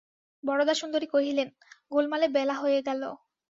বরদাসুন্দরী কহিলেন, গোলমালে বেলা হয়ে গেল।